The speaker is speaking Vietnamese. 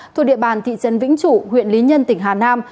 thuộc địa bàn thị trấn vĩnh trụ huyện lý nhân tỉnh hà nam